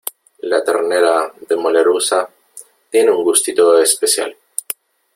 La ternera de Mollerussa tiene un gustito especial.